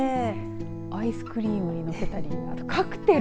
アイスクリームにのせたりカクテル。